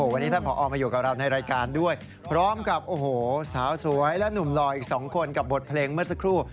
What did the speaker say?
วันนี้ท่านผอมาอยู่กับเราในรายการด้วยพร้อมกับโอ้โหสาวสวยและหนุ่มหล่ออีก๒คนกับบทเพลงเมื่อสักครู่